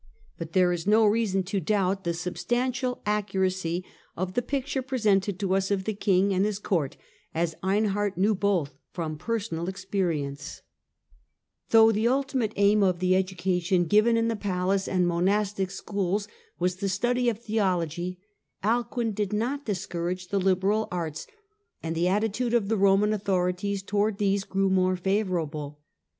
But there is no eason to doubt the substantial accuracy of the picture presented to us of the king and his court, as Einhard knew both from personal experience. 196 THE DAWN OF MEDIAEVAL EUROPE Though the ultimate aim of the education given in the palace and monastic schools was the study of theology, Alcuin did not discourage the liberal arts, and the attitude of the Eoman authorities towards these grew more favourable.